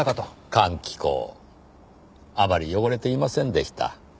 換気口あまり汚れていませんでした。